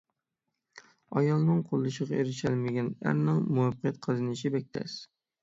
ئايالىنىڭ قوللىشىغا ئېرىشەلمىگەن ئەرنىڭ مۇۋەپپەقىيەت قازىنىشى بەك تەس.